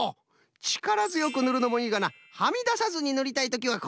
ちからづよくぬるのもいいがなはみださずにぬりたいときはこのね